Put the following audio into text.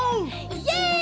イエイ！